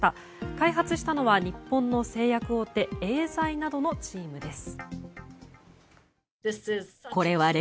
開発したのは日本の製薬大手エーザイなどのチームです。